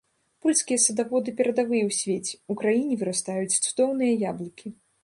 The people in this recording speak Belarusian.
Польскія садаводы перадавыя ў свеце, у краіне вырастаюць цудоўныя яблыкі.